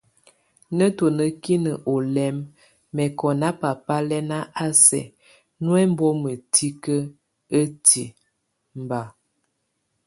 Nétuenekin olɛm mɛkɔ ná baba lɛn a sɛk nú embɔma tík etiek, mba.